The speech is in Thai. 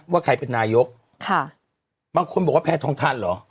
ว่าใครเป็นนายกบางคนบอกว่าแพทองทันเหรอ